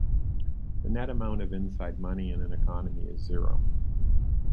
The net amount of inside money in an economy is zero.